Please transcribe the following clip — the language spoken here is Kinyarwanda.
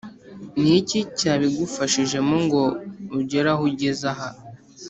ni iki cyabigufashijemo ngo ugere aho ugeze aha?